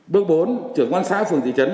bước bốn chủ tịch bàn dân xã phường thị trấn